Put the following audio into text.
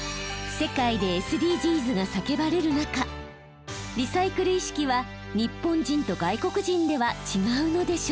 世界でＳＤＧｓが叫ばれる中リサイクル意識は日本人と外国人では違うのでしょうか？